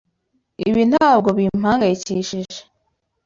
Ibi ntabwo bimpangayikishije.